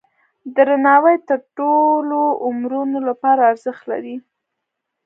درناوی د ټولو عمرونو لپاره ارزښت لري.